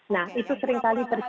nah itu seringkali terjadi